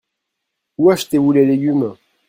Où achetez-vous les légumes ?